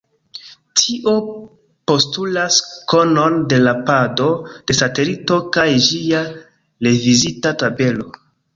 Tio postulas konon de la pado de satelito kaj ĝia revizita tabelo.